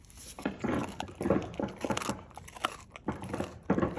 باز له خپلو تجربو زده کړه کوي